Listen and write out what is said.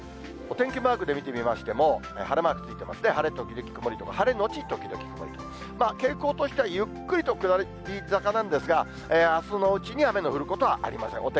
お天気マークで見てみましても、晴れマークついてますね、晴れ時々曇りとか、晴れ後曇りとか、傾向としては、ゆっくりと下り坂なんですが、あすのうちに、雨の降ることはありません。